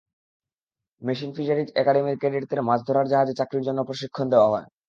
Marine fisheries একাডেমির ক্যাডেটদের মাছ ধরার জাহাজে চাকরির জন্য প্রশিক্ষণ দেওয়া হয়।